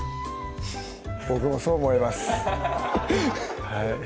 フフッ僕もそう思います